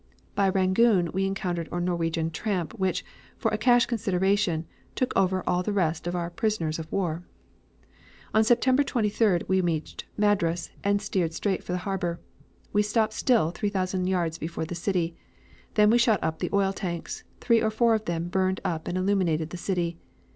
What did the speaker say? By Rangoon we encountered a Norwegian tramp, which, for a cash consideration, took over all the rest of our prisoners of war. "On September 23d we reached Madras, and steered straight for the harbor. We stopped still 3,000 yards before the city. Then we shot up the oil tanks; three or four of them burned up and illuminated the city.